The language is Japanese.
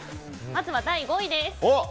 まずは第５位です。